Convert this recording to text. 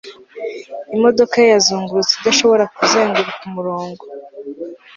imodoka ye yazungurutse idashobora kuzenguruka umurongo